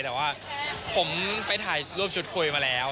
แต่ว่าผมไปถ่ายรูปชุดคุยมาแล้ว